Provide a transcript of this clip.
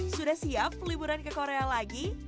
sudah siap peliburan ke korea lagi